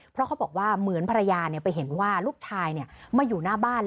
เพราะเขาบอกว่าเหมือนภรรยาไปเห็นว่าลูกชายมาอยู่หน้าบ้าน